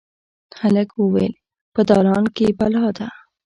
هلک ویې ویل: «په دالان کې بلا ده.»